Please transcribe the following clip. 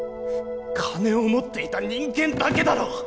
金を持っていた人間だけだろ！